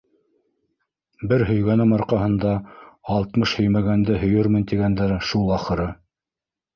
Бер һөйгәнем арҡаһында алтмыш һөймәгәнде һөйөрмөн, тигәндәре шул, ахыры...